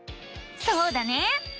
そうだね！